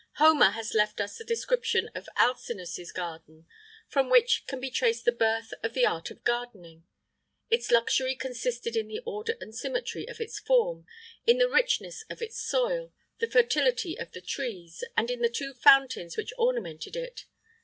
Homer has left us the description of Alcinous's garden,[IX 7] from which can be traced the birth of the art of gardening; its luxury consisted in the order and symmetry of its form, in the richness of its soil, the fertility of the trees, and in the two fountains which ornamented it.